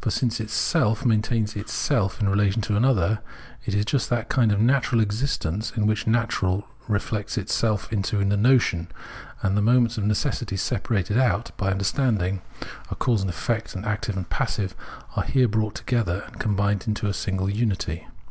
For since itself main tains itself in relation to another, it is just that kind of natural existence in which nature reflects itself into the notion, and the moments of necessity separated out [by Understanding] — a cause and an effect, an active and a passive — are here brought together and com bined into a single unity.